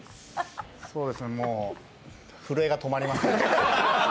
そうですね、もう、震えが止まりません。